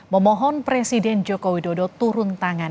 memohon presiden joko widodo turun tangan